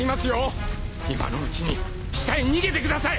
今のうちに下へ逃げてください。